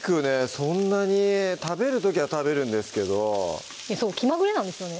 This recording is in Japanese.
そんなに食べる時は食べるんですけど気まぐれなんですよね